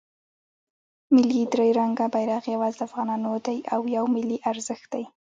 ملی درې رنګه بیرغ یواځې د افغانانو دی او یو ملی ارزښت دی.